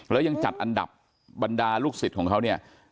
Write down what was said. แล้วยังจัดอันดับบรรดาลูกศิษย์ของเขาเนี่ย